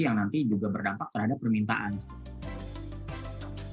yang nanti juga berdampak terhadap permintaan